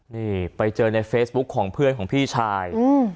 นี่ไปเจอในเฟซบุ๊คของเพื่อนของพี่ชายอืม